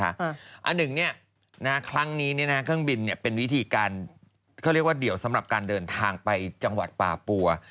อันหนึ่งครั้งนี้เครื่องบินเป็นวิธีการเขาเรียกว่าเดี่ยวสำหรับการเดินทางไปจังหวัดป่าปัว